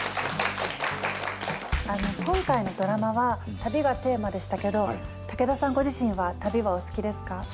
今回のドラマは「旅」がテーマでしたけど武田さんご自身は旅はお好きですか？